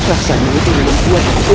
rasanya itu membuat